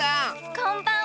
こんばんは！